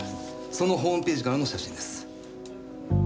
そのホームページからの写真です。